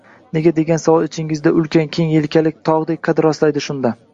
Nega?» degan savol ichingizda ulkan, keng yelkali tog‘dek qad rostlaydi shunda.